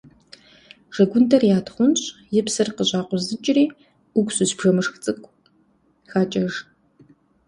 Жэгундэр ятхъунщӏ, и псыр къыщӏакъузыкӏри, уксус бжэмышх цӏыкӏу хакӏэж.